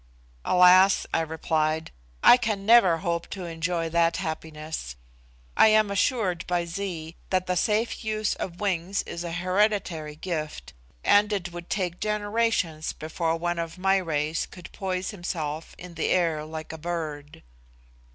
"Alas!" I replied, "I can never hope to enjoy that happiness. I am assured by Zee that the safe use of wings is a hereditary gift, and it would take generations before one of my race could poise himself in the air like a bird."